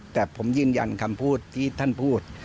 แต่ผมยืนยันคำพูดที่ท่านพูด